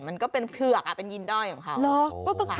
ไม่ต้องรอดู